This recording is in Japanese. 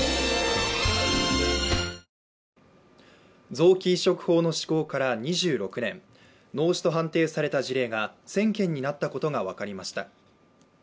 臓器移植法の施行から２６年、脳死と判定された事例が１０００件になったことが分かりました。